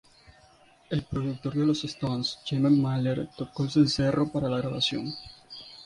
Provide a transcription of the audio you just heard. El productor de los Stones, Jimmy Miller, tocó el cencerro para la grabación.